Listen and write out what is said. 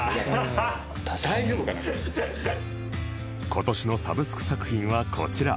今年のサブスク作品はこちら